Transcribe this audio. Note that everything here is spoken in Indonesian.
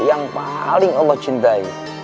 yang paling allah cintai